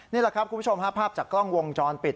นี่แหละครับคุณผู้ชมฮะภาพจากกล้องวงจรปิด